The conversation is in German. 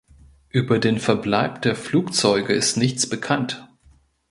Über den Verbleib der Flugzeuge ist nichts bekannt.